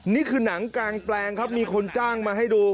นี่คือหนังกางแปลงครับมีคนจ้างมาให้ดู